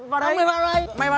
mày vào đây